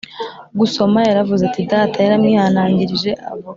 Gusoma yaravuze ati data yamwihanangirije avuga